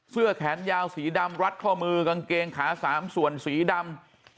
เสื้อแขนยาวสีดำรัดข้อมือกางเกงขาสามส่วนสีดำ